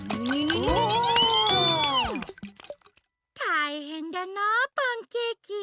たいへんだなあパンケーキ。